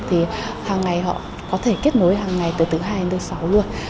thì hàng ngày họ có thể kết nối hàng ngày từ thứ hai đến thứ sáu luôn